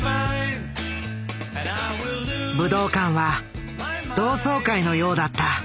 武道館は同窓会のようだった。